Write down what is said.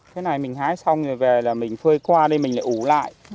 thế này mình hái xong rồi về là mình phơi qua đây mình lại ủ lại